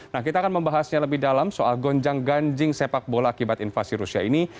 nah kita akan membahasnya lebih dalam soal gonjang ganjing sepak bola akibat invasi rusia ini